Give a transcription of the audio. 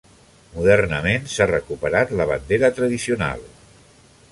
Modernament s'ha recuperat la bandera tradicional.